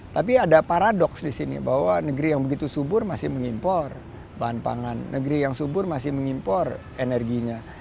tapi ada paradoks di sini bahwa negeri yang begitu subur masih mengimpor bahan pangan negeri yang subur masih mengimpor energinya